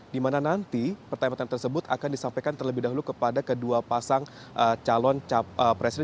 di mana nanti pertanyaan pertanyaan tersebut akan disampaikan terlebih dahulu kepada kedua pasang calon presiden